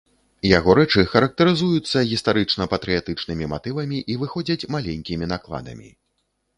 Яго рэчы характарызуюцца гістарычна-патрыятычнымі матывамі і выходзяць маленькімі накладамі.